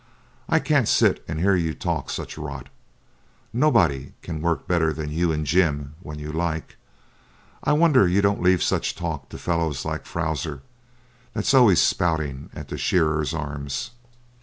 'I can't sit and hear you talk such rot. Nobody can work better than you and Jim, when you like. I wonder you don't leave such talk to fellows like Frowser, that's always spouting at the Shearers' Arms.'